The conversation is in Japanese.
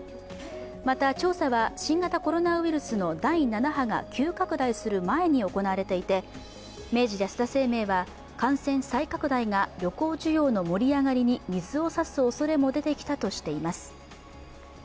また、調査は新型コロナウイルスの第７波が急拡大する前に行われていて明治安田生命は、感染再拡大が旅行需要の盛り上がりに水を差すおそれも出てきたとしています。